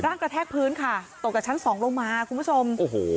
กระแทกพื้นค่ะตกจากชั้นสองลงมาคุณผู้ชมโอ้โห